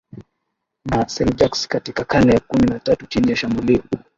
na Seljuks Katika karne ya kumi na tatu chini ya shambulio